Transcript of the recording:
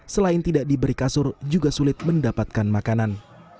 selain tidak diberi kasur juga sulit mendapatkan makanan